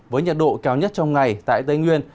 với nhiệt độ cao nhất trong ngày tại tây nguyên